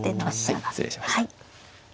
はい失礼しました。